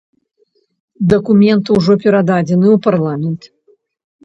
Дакумент ужо перададзены ў парламент.